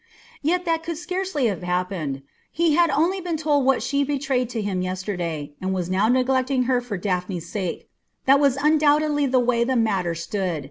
Yet that could scarcely have happened. He had only been told what she betrayed to him yesterday, and was now neglecting her for Daphne's sake. That was undoubtedly the way the matter stood.